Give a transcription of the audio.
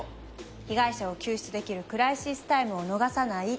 被害者を救出できるクライシスタイムを逃さない。